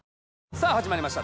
さぁ始まりました